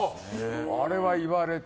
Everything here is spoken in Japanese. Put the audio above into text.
あれは言われて。